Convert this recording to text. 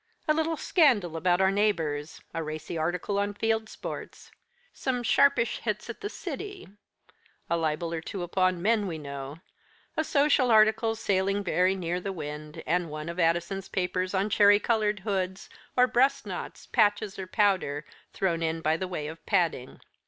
A little scandal about our neighbours, a racy article on field sports, some sharpish hits at the City, a libel or two upon men we know, a social article sailing very near the wind, and one of Addison's papers on cherry coloured hoods, or breast knots, patches or powder, thrown in by the way of padding.